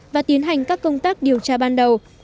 và tiến hành các công tác điều tra ban đầu